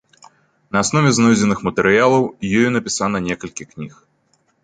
На аснове знойдзеных матэрыялаў, ёю напісана некалькі кніг.